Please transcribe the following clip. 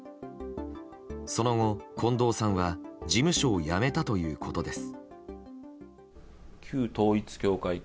その後、近藤さんは事務所を辞めたということです。